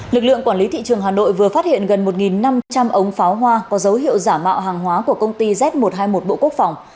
lực lượng quản lý thị trường hà nội vừa phát hiện gần một năm trăm linh ống pháo hoa có dấu hiệu giả mạo hàng hóa của công ty z một trăm hai mươi một bộ quốc phòng